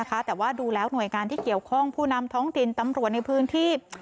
แต่ว่าดูแล้วหน่วยงานที่เกี่ยวข้องผู้นำท้องถิ่นตำรวจในพื้นที่